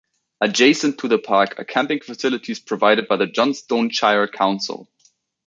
Adjacent to the park are camping facilities provided by the Johnstone Shire Council.